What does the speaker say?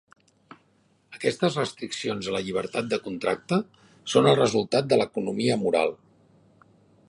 Aquestes restriccions a la llibertat de contracte són el resultat de l'economia moral.